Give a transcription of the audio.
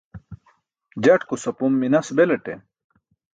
Jatkus apom minas belaṭe.